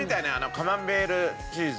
カマンベールチーズ。